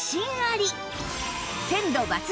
鮮度抜群！